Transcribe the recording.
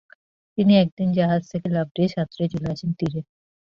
তিনি একদিন জাহাজ থেকে লাফ দিয়ে সাঁতরে চলে আসেন তীরে।